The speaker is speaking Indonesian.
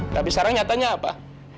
tapi sekarang nyatanya apa